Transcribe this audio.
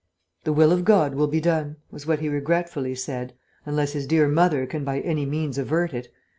"The will of God will be done," was what he regretfully said, "unless his dear Mother can by any means avert it.